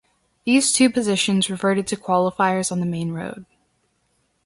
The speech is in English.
These two positions reverted to qualifiers on the main Road.